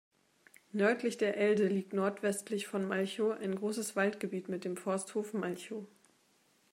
Nördlich der Elde liegt nordwestlich von Malchow ein großes Waldgebiet mit dem Forsthof Malchow.